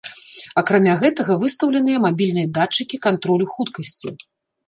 Акрамя гэтага выстаўленыя мабільныя датчыкі кантролю хуткасці.